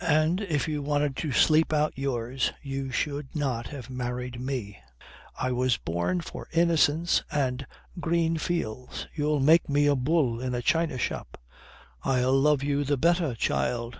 And if you wanted to sleep out yours you should not have married me." "I was born for innocence and green fields. You'll make me a bull in a china shop." "I'll love you the better, child.